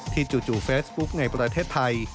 จู่เฟซบุ๊กในประเทศไทย